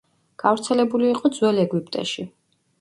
გავრცელებული იყო ძველ ეგვიპტეში.